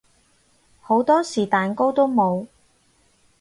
好多時蛋糕都冇